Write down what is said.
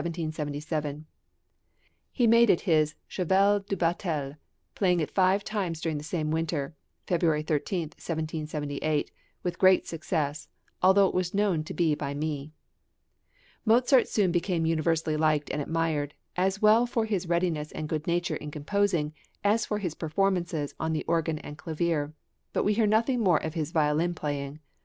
He made it his cheval de bataille, playing it five times during the same winter (February 13, 1778) with great success, "although it was known to be by me." Mozart soon became universally liked and admired, as well for his readiness and good nature in composing as for his performances on the organ and clavier; but we hear nothing more of his violin playing.